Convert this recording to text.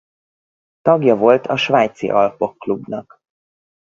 Tagja volt a Svájci Alpok klubnak.